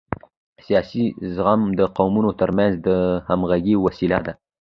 سیاسي زغم د قومونو ترمنځ د همغږۍ وسیله ده